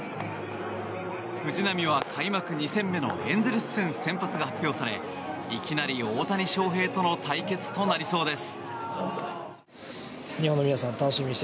藤浪は開幕２戦目のエンゼルス戦先発が発表されいきなり大谷翔平との対決となりそうです。